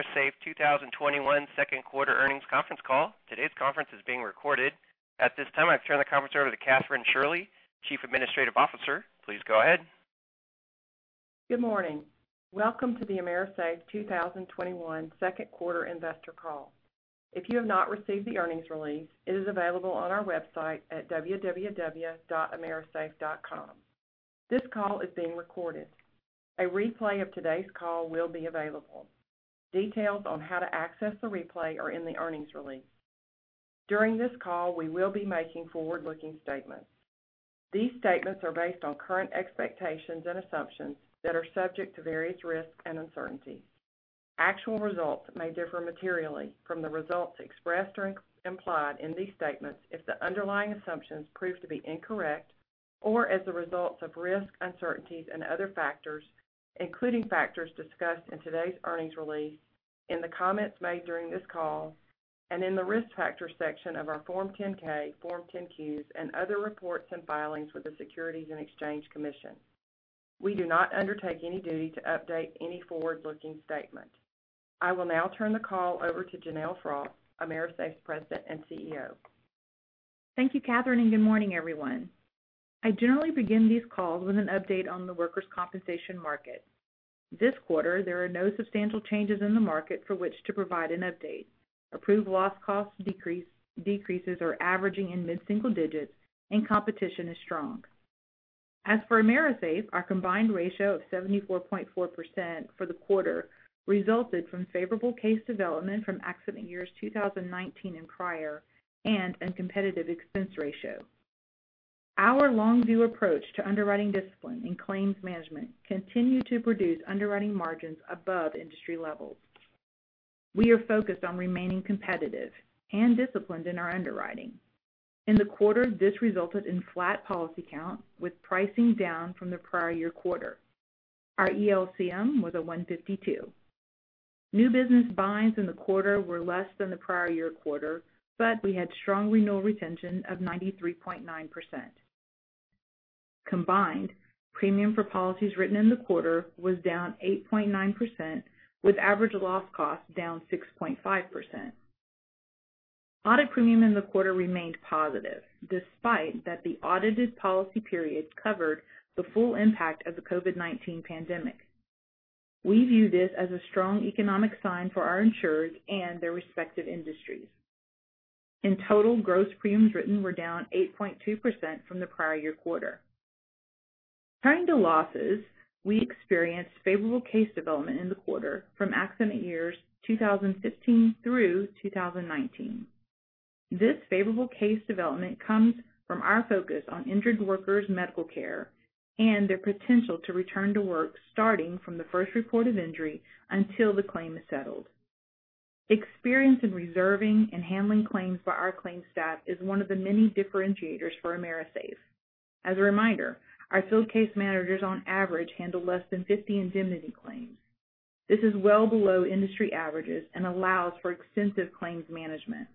Good ladies and gentlemen, and welcome to the AMERISAFE 2021 second quarter earnings conference call. Today's conference is being recorded. At this time, I turn the conference over to Kathryn Shirley, Chief Administrative Officer. Please go ahead. Good morning. Welcome to the AMERISAFE 2021 second quarter investor call. If you have not received the earnings release, it is available on our website at www.amerisafe.com. This call is being recorded. A replay of today's call will be available. Details on how to access the replay are in the earnings release. During this call, we will be making forward-looking statements. These statements are based on current expectations and assumptions that are subject to various risks and uncertainties. Actual results may differ materially from the results expressed or implied in these statements if the underlying assumptions prove to be incorrect or as a result of risks, uncertainties and other factors, including factors discussed in today's earnings release, in the comments made during this call, and in the Risk Factors section of our Form 10-K, Form 10-Qs, and other reports and filings with the Securities and Exchange Commission. We do not undertake any duty to update any forward-looking statement. I will now turn the call over to Janelle Frost, AMERISAFE's President and CEO. Thank you, Kathryn, and good morning, everyone. I generally begin these calls with an update on the workers' compensation market. This quarter, there are no substantial changes in the market for which to provide an update. Approved loss cost decreases are averaging in mid-single digits, and competition is strong. As for AMERISAFE, our combined ratio of 74.4% for the quarter resulted from favorable case development from accident years 2019 and prior, and a competitive expense ratio. Our long-view approach to underwriting discipline and claims management continue to produce underwriting margins above industry levels. We are focused on remaining competitive and disciplined in our underwriting. In the quarter, this resulted in flat policy count with pricing down from the prior year quarter. Our ELCM was a 152. New business binds in the quarter were less than the prior year quarter, but we had strong renewal retention of 93.9%. Combined premium for policies written in the quarter was down 8.9%, with average loss cost down 6.5%. Audit premium in the quarter remained positive despite that the audited policy period covered the full impact of the COVID-19 pandemic. We view this as a strong economic sign for our insurers and their respective industries. In total, gross premiums written were down 8.2% from the prior year quarter. Turning to losses, we experienced favorable case development in the quarter from accident years 2015 through 2019. This favorable case development comes from our focus on injured workers' medical care and their potential to return to work, starting from the first report of injury until the claim is settled. Experience in reserving and handling claims by our claims staff is one of the many differentiators for AMERISAFE. As a reminder, our field case managers on average handle less than 50 indemnity claims. This is well below industry averages and allows for extensive claims management.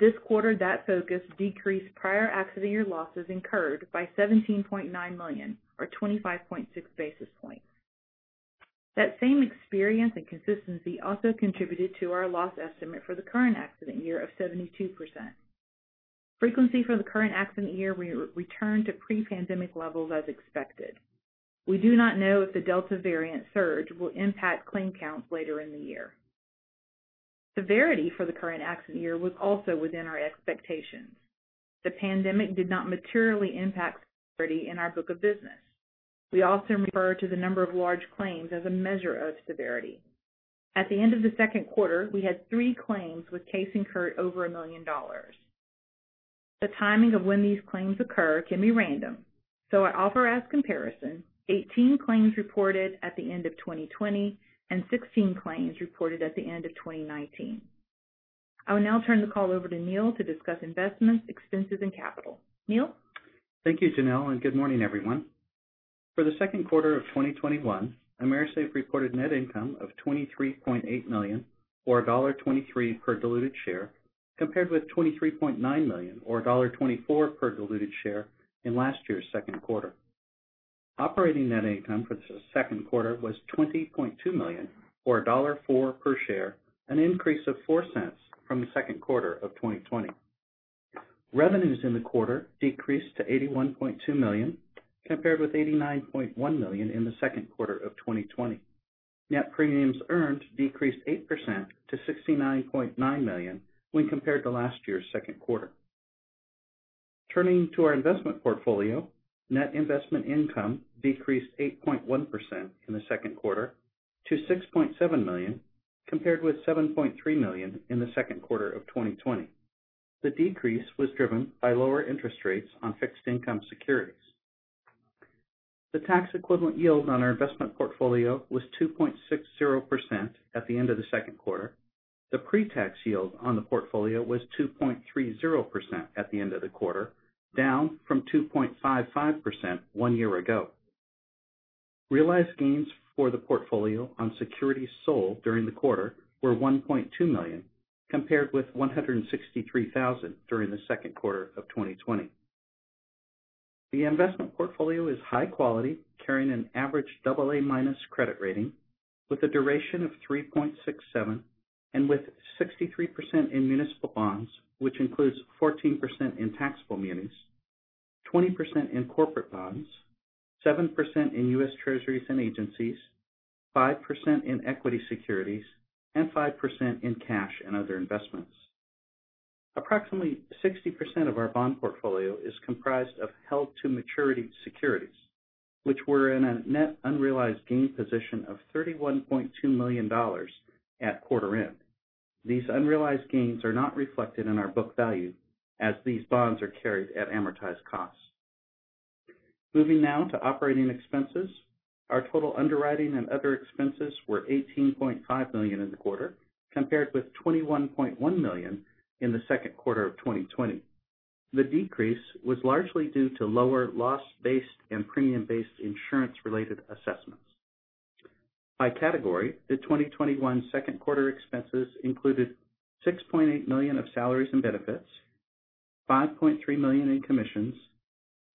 This quarter, that focus decreased prior accident year losses incurred by $17.9 million or 25.6 basis points. That same experience and consistency also contributed to our loss estimate for the current accident year of 72%. Frequency for the current accident year returned to pre-pandemic levels as expected. We do not know if the Delta variant surge will impact claim counts later in the year. Severity for the current accident year was also within our expectations. The pandemic did not materially impact severity in our book of business. We often refer to the number of large claims as a measure of severity. At the end of the second quarter, we had three claims with case incurred over a million dollars. The timing of when these claims occur can be random. I offer as comparison 18 claims reported at the end of 2020 and 16 claims reported at the end of 2019. I will now turn the call over to Neal to discuss investments, expenses, and capital. Neal? Thank you, Janelle, and good morning, everyone. For the second quarter of 2021, AMERISAFE reported net income of $23.8 million, or $1.23 per diluted share, compared with $23.9 million or $1.24 per diluted share in last year's second quarter. Operating net income for the second quarter was $20.2 million or $1.04 per share, an increase of $0.04 from the second quarter of 2020. Revenues in the quarter decreased to $81.2 million compared with $89.1 million in the second quarter of 2020. Net premiums earned decreased 8% to $69.9 million when compared to last year's second quarter. Turning to our investment portfolio, net investment income decreased 8.1% in the second quarter to $6.7 million compared with $7.3 million in the second quarter of 2020. The decrease was driven by lower interest rates on fixed income securities. The tax-equivalent yield on our investment portfolio was 2.60% at the end of the second quarter. The pre-tax yield on the portfolio was 2.30% at the end of the quarter, down from 2.55% one year ago. Realized gains for the portfolio on securities sold during the quarter were $1.2 million compared with $163,000 during the second quarter of 2020. The investment portfolio is high quality, carrying an average AA minus credit rating with a duration of 3.67 and with 63% in municipal bonds, which includes 14% in taxable munis, 20% in corporate bonds, 7% in U.S. Treasuries and agencies, 5% in equity securities, and 5% in cash and other investments. Approximately 60% of our bond portfolio is comprised of held-to-maturity securities, which were in a net unrealized gain position of $31.2 million at quarter end. These unrealized gains are not reflected in our book value, as these bonds are carried at amortized costs. Moving now to operating expenses. Our total underwriting and other expenses were $18.5 million in the quarter, compared with $21.1 million in the second quarter of 2020. The decrease was largely due to lower loss-based and premium-based insurance-related assessments. By category, the 2021 second quarter expenses included $6.8 million of salaries and benefits, $5.3 million in commissions,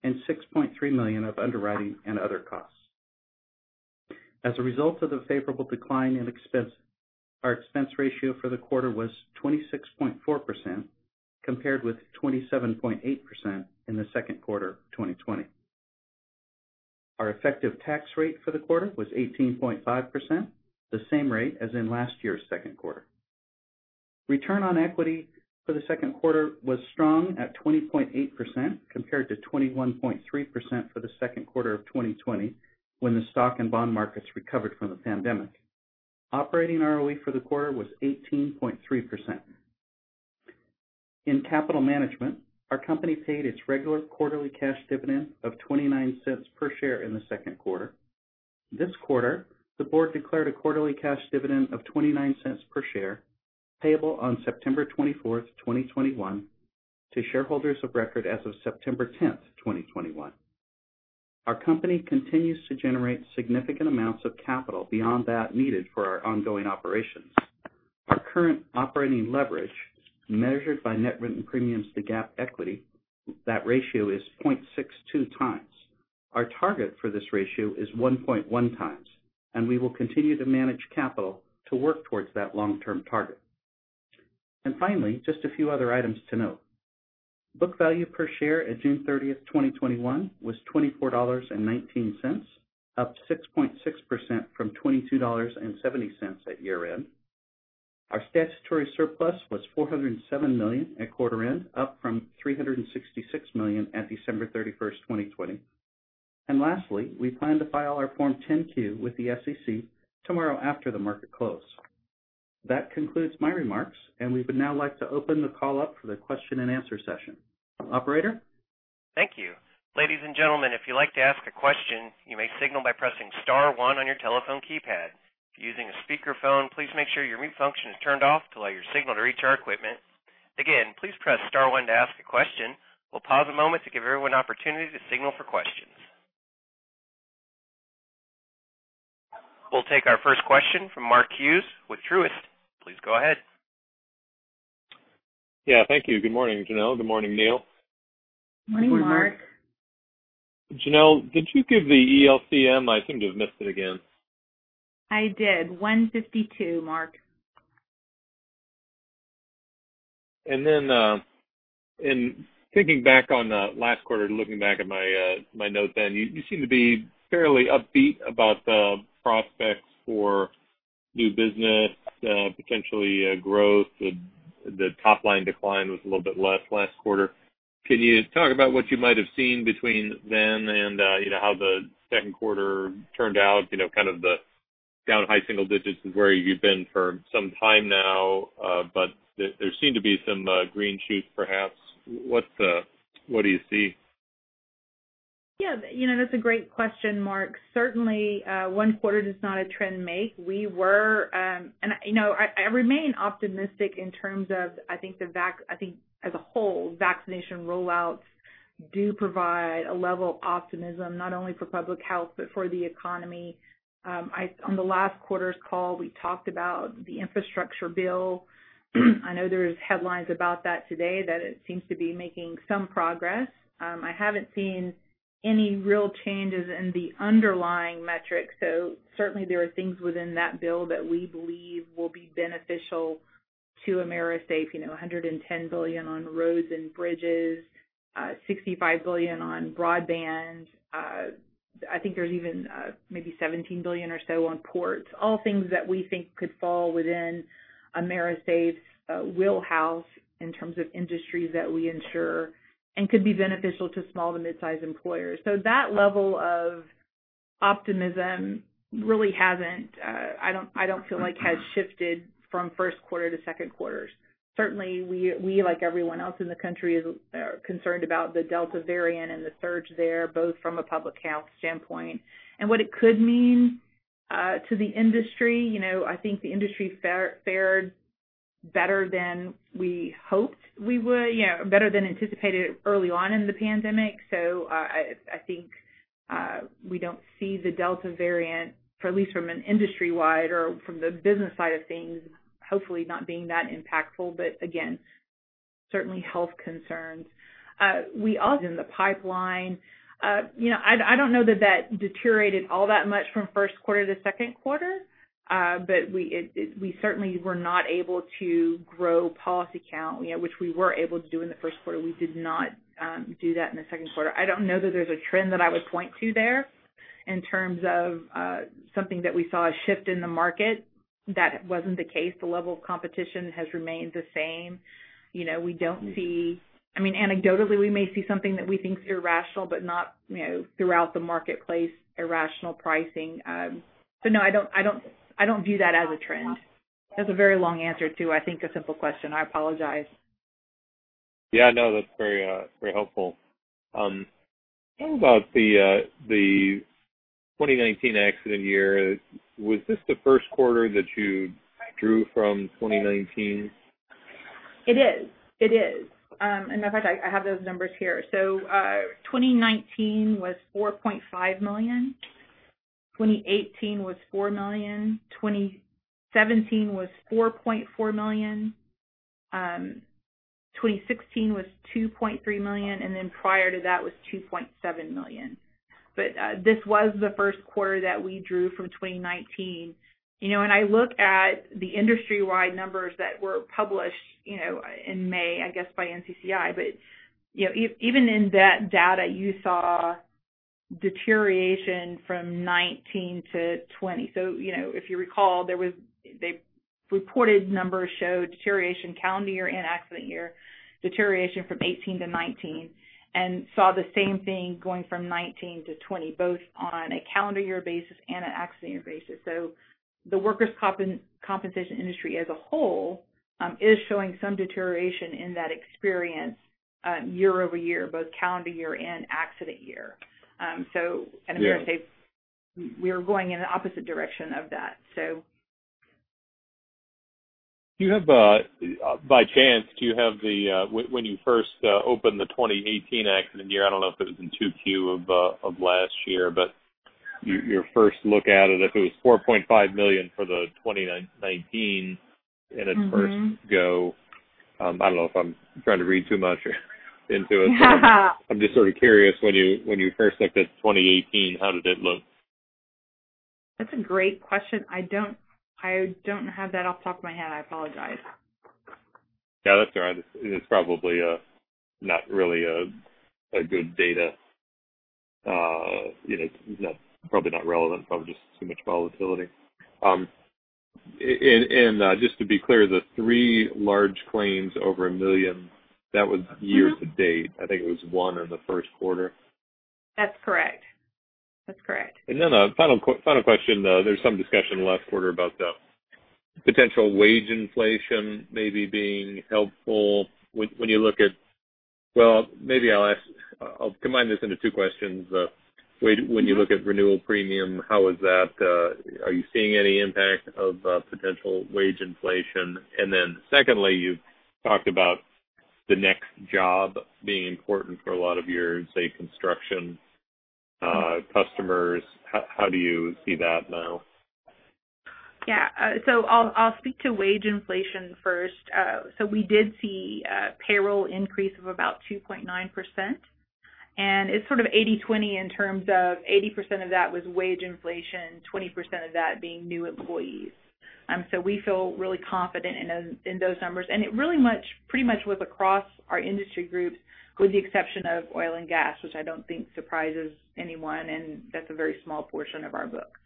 and $6.3 million of underwriting and other costs. As a result of the favorable decline in expense, our expense ratio for the quarter was 26.4%, compared with 27.8% in the second quarter of 2020. Our effective tax rate for the quarter was 18.5%, the same rate as in last year's second quarter. Return on equity for the second quarter was strong at 20.8%, compared to 21.3% for the second quarter of 2020, when the stock and bond markets recovered from the pandemic. Operating ROE for the quarter was 18.3%. In capital management, our company paid its regular quarterly cash dividend of $0.29 per share in the second quarter. This quarter, the board declared a quarterly cash dividend of $0.29 per share, payable on September 24th, 2021, to shareholders of record as of September 10th, 2021. Our company continues to generate significant amounts of capital beyond that needed for our ongoing operations. Our current operating leverage measured by net written premiums to GAAP equity, that ratio is 0.62 times. Our target for this ratio is 1.1 times, and we will continue to manage capital to work towards that long-term target. Finally, just a few other items to note. Book value per share at June 30th, 2021, was $24.19, up 6.6% from $22.70 at year-end. Our statutory surplus was $407 million at quarter end, up from $366 million at December 31st, 2020. Lastly, we plan to file our Form 10-Q with the SEC tomorrow after the market close. That concludes my remarks, and we would now like to open the call up for the question and answer session. Operator? Thank you. Ladies and gentlemen, if you'd like to ask a question, you may signal by pressing star one on your telephone keypad. If you're using a speakerphone, please make sure your mute function is turned off to allow your signal to reach our equipment. Again, please press star one to ask a question. We'll pause a moment to give everyone an opportunity to signal for questions. We'll take our first question from Mark Hughes with Truist. Please go ahead. Yeah, thank you. Good morning, Janelle. Good morning, Neal. Morning, Mark. Janelle, did you give the ELCM? I seem to have missed it again. I did. 152, Mark. In thinking back on last quarter, looking back at my notes then, you seem to be fairly upbeat about the prospects for new business, potentially growth. The top-line decline was a little bit less last quarter. Can you talk about what you might have seen between then and how the second quarter turned out? Kind of the down high single digits is where you've been for some time now. There seem to be some green shoots, perhaps. What do you see? Yeah. That's a great question, Mark. Certainly, one quarter does not a trend make. I remain optimistic in terms of, I think, as a whole, vaccination rollouts do provide a level of optimism, not only for public health but for the economy. On the last quarter's call, we talked about the infrastructure bill. I know there's headlines about that today, that it seems to be making some progress. I haven't seen any real changes in the underlying metrics. Certainly, there are things within that bill that we believe will be beneficial to AMERISAFE. $110 billion on roads and bridges, $65 billion on broadband. I think there's even maybe $17 billion or so on ports. All things that we think could fall within AMERISAFE's wheelhouse in terms of industries that we insure and could be beneficial to small to mid-size employers. That level of optimism really, I don't feel like, has shifted from first quarter to second quarters. Certainly, we, like everyone else in the country, are concerned about the Delta variant and the surge there, both from a public health standpoint and what it could mean to the industry. I think the industry fared better than we hoped we would, better than anticipated early on in the pandemic. I think. We don't see the Delta variant, for at least from an industry-wide or from the business side of things, hopefully not being that impactful. Again, certainly health concerns. We also in the pipeline. I don't know that that deteriorated all that much from first quarter to second quarter. We certainly were not able to grow policy count, which we were able to do in the first quarter. We did not do that in the second quarter. I don't know that there's a trend that I would point to there in terms of something that we saw a shift in the market. That wasn't the case. The level of competition has remained the same. We don't see anecdotally, we may see something that we think is irrational, not throughout the marketplace, irrational pricing. No, I don't view that as a trend. That's a very long answer to, I think, a simple question. I apologize. That's very helpful. Tell me about the 2019 accident year. Was this the first quarter that you drew from 2019? It is. As I have those numbers here. 2019 was $4.5 million. 2018 was $4 million. 2017 was $4.4 million. 2016 was $2.3 million, and then prior to that was $2.7 million. This was the first quarter that we drew from 2019. When I look at the industry-wide numbers that were published in May, I guess, by NCCI. Even in that data, you saw deterioration from 2019 to 2020. If you recall, the reported numbers show deterioration calendar year and accident year, deterioration from 2018 to 2019, and saw the same thing going from 2019 to 2020, both on a calendar year basis and an accident year basis. The workers' compensation industry as a whole is showing some deterioration in that experience year-over-year, both calendar year and accident year. Yeah I'm going to say we're going in the opposite direction of that. By chance, do you have the, when you first opened the 2018 accident year, I don't know if it was in 2Q of last year, but your first look at it, if it was $4.5 million for the 2019 in its first go. I don't know if I'm trying to read too much into it. I'm just sort of curious, when you first looked at 2018, how did it look? That's a great question. I don't have that off the top of my head. I apologize. Yeah, that's all right. It's probably not really a good data. It's probably not relevant, probably just too much volatility. Just to be clear, the three large claims over $1 million, that was year-to-date. I think it was one in the first quarter. That's correct. A final question. There was some discussion last quarter about the potential wage inflation maybe being helpful when you look at Maybe I'll combine this into two questions. When you look at renewal premium, how is that? Are you seeing any impact of potential wage inflation? Secondly, you've talked about the next job being important for a lot of your, say, construction customers. How do you see that now? I'll speak to wage inflation first. We did see a payroll increase of about 2.9%, and it's sort of 80/20 in terms of 80% of that was wage inflation, 20% of that being new employees. We feel really confident in those numbers. It really pretty much was across our industry groups, with the exception of oil and gas, which I don't think surprises anyone, and that's a very small portion of our book.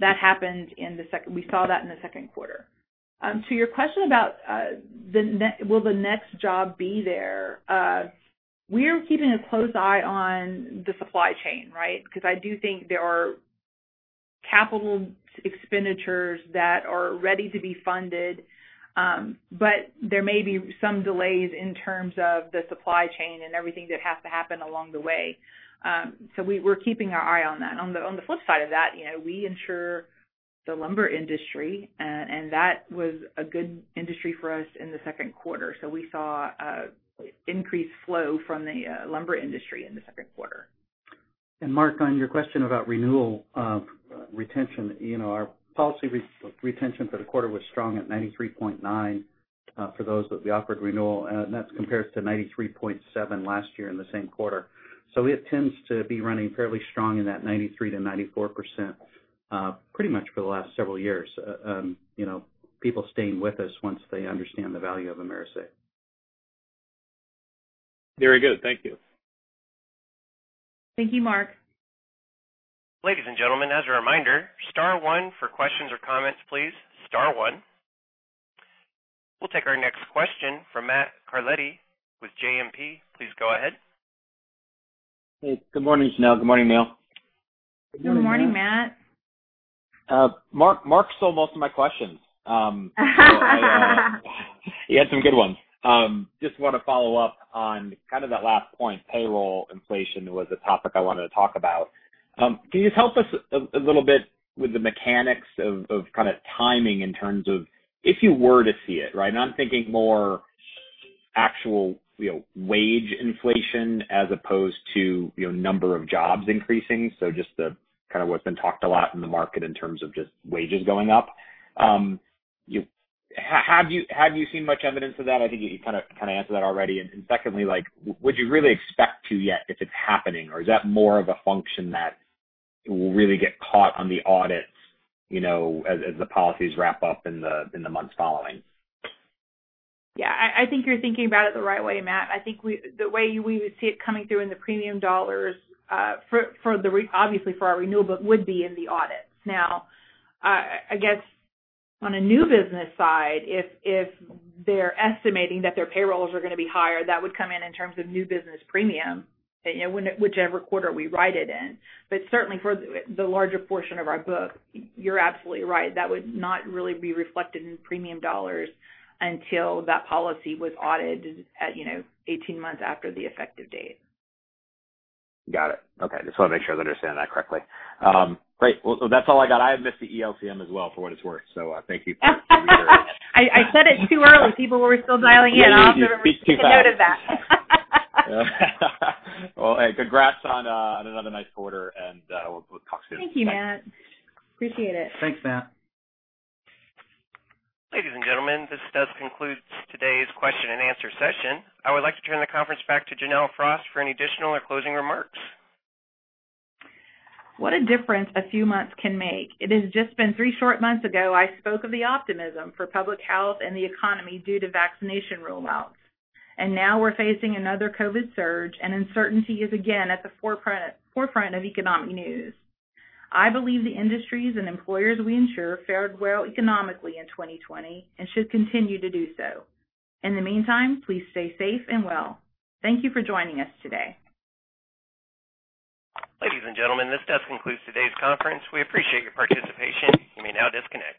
That happened in the second. We saw that in the second quarter. To your question about will the next job be there, we are keeping a close eye on the supply chain, right? I do think there are capital expenditures that are ready to be funded. There may be some delays in terms of the supply chain and everything that has to happen along the way. We're keeping our eye on that. On the flip side of that, we insure the lumber industry, and that was a good industry for us in the second quarter. We saw increased flow from the lumber industry in the second quarter. Mark, on your question about renewal retention, our policy retention for the quarter was strong at 93.9% for those that we offered renewal, and that is compared to 93.7% last year in the same quarter. It tends to be running fairly strong in that 93%-94%, pretty much for the last several years. People staying with us once they understand the value of AMERISAFE. Very good. Thank you. Thank you, Mark. Ladies and gentlemen, as a reminder, star one for questions or comments, please. Star one. We will take our next question from Matt Carletti with JMP. Please go ahead. Hey, good morning, Janelle. Good morning, Neal. Good morning, Matt. Mark stole most of my questions. He had some good ones. I just want to follow up on kind of that last point, payroll inflation was a topic I wanted to talk about. Can you just help us a little bit with the mechanics of kind of timing in terms of if you were to see it, right? I'm thinking more actual wage inflation as opposed to number of jobs increasing. Just kind of what's been talked a lot in the market in terms of just wages going up. Have you seen much evidence of that? I think you kind of answered that already. Secondly, would you really expect to yet if it's happening, or is that more of a function that will really get caught on the audits, as the policies wrap up in the months following? Yeah. I think you're thinking about it the right way, Matt. I think the way we would see it coming through in the premium dollars, obviously for our renewable, would be in the audits. I guess on a new business side, if they're estimating that their payrolls are going to be higher, that would come in terms of new business premium, whichever quarter we write it in. Certainly for the larger portion of our book, you're absolutely right, that would not really be reflected in premium dollars until that policy was audited at 18 months after the effective date. Got it. Okay. Just want to make sure that I understand that correctly. Great. Well, that's all I got. I have missed the ELCM as well, for what it's worth. Thank you for giving me a- I said it too early. People were still dialing in. I'll have to- Yeah, you speak too fast take note of that. Well, hey, congrats on another nice quarter, and we'll talk soon. Thank you, Matt. Appreciate it. Thanks, Matt. Ladies and gentlemen, this does conclude today's question and answer session. I would like to turn the conference back to Janelle Frost for any additional or closing remarks. What a difference a few months can make. It has just been three short months ago, I spoke of the optimism for public health and the economy due to vaccination roll-outs. Now we're facing another COVID-19 surge, and uncertainty is again at the forefront of economic news. I believe the industries and employers we insure fared well economically in 2020, and should continue to do so. In the meantime, please stay safe and well. Thank you for joining us today. Ladies and gentlemen, this does conclude today's conference. We appreciate your participation. You may now disconnect.